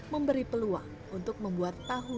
memberi peluang untuk membuat tahu